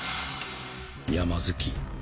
山好き。